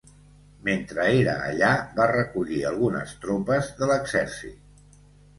Mentre era allà, va recollir algunes tropes de l'exèrcit.